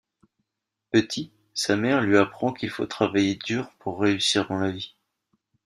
Petit, sa mère lui apprend qu'il faut travailler dur pour réussir dans la vie.